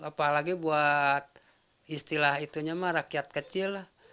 apalagi buat istilah itunya mah rakyat kecil lah